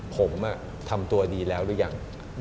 ผมทำตัวดีแล้วหรือยัง